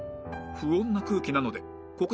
不穏な空気なのでここで